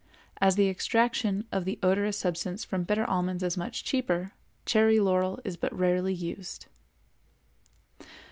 As the extraction of the odorous substance from bitter almonds is much cheaper, cherry laurel is but rarely used.